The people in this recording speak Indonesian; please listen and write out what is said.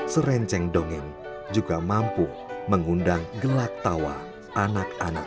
serenceng dongeng juga mampu mengundang gelak tawa anak anak